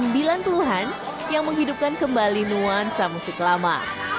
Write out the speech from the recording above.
dan teluhan yang menghidupkan kembali nuansa musik lama